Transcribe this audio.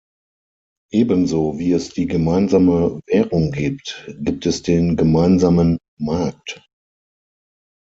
Ebenso wie es die gemeinsame Währung gibt, gibt es den gemeinsamen Markt.